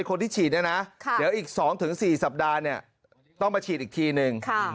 คนที่ฉีดเนี่ยนะเดี๋ยวอีก๒๔สัปดาห์เนี่ยต้องมาฉีดอีกทีนึง